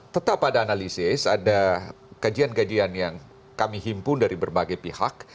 tetap ada analisis ada kajian kajian yang kami himpun dari berbagai pihak